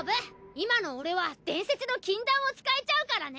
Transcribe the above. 今の俺は伝説の禁断を使えちゃうからね！